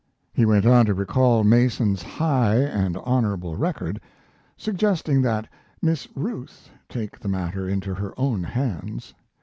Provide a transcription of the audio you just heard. He went on to recall Mason's high and honorable record, suggesting that Miss Ruth take the matter into her own hands.